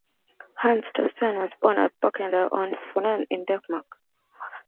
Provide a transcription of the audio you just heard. Hans Tausen was born at Birkende on Funen in Denmark.